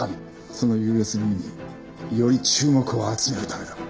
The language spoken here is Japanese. そのＵＳＢにより注目を集めるためだ。